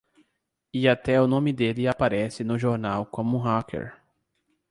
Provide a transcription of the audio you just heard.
E até o nome dele aparece no jornal como um hacker.